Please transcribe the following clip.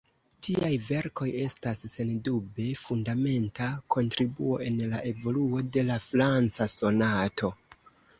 Tiaj verkoj estas sendube fundamenta kontribuo en la evoluo de la franca sonato.